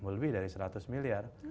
lebih dari seratus miliar